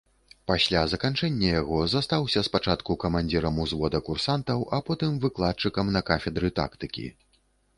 Пасля заканчэння яго застаўся спачатку камандзірам узвода курсантаў, а потым выкладчыкам на кафедры тактыкі.